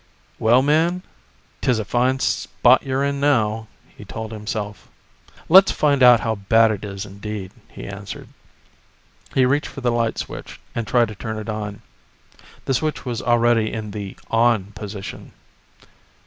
"Well, man, 'tis a fine spot you're in now," he told himself. "Let's find out how bad it is indeed," he answered. He reached for the light switch and tried to turn it on. The switch was already in the "on" position.